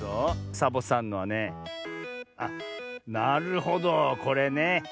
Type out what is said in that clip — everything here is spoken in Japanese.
サボさんのはねあっなるほどこれね。